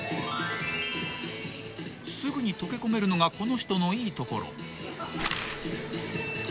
［すぐに溶け込めるのがこの人のいいところ］